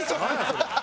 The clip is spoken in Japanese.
それ。